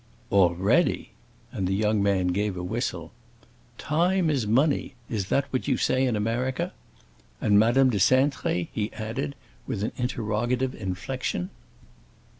"Already!" And the young man gave a whistle. "'Time is money!' Is that what you say in America? And Madame de Cintré?" he added, with an interrogative inflection.